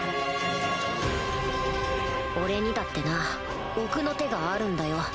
俺にだってな奥の手があるんだよ